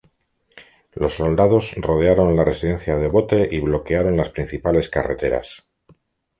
Los soldados rodearon la residencia de Obote y bloquearon las principales carreteras.